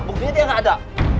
bukannya dia gak ada